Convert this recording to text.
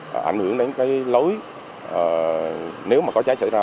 điều đó ảnh hưởng đến cái lối nếu mà có cháy xảy ra